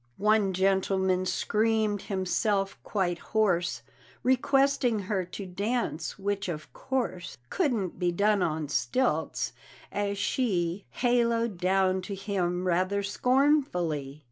One gentleman screamed himself quite hoarse Requesting her to dance; which, of course, Couldn't be done on stilts, as she Halloed down to him rather scornfully.